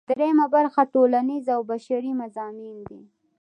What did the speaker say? دریمه برخه ټولنیز او بشري مضامین دي.